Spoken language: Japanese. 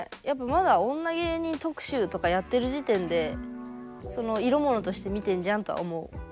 やっぱまだ女芸人特集とかやってる時点で色物として見てんじゃんとは思う。